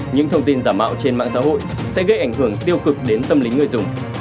những thông tin giả mạo trên mạng xã hội sẽ gây ảnh hưởng tiêu cực đến tâm lý người dùng